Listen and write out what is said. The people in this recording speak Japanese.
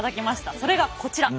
それがこちら！